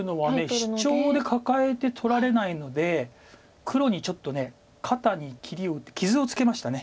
シチョウでカカえて取られないので黒にちょっと肩に切りを打って傷をつけました。